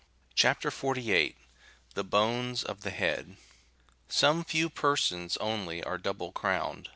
CHAP. 48. THE BONES OF THE HEAD. Some few persons only are double crowned.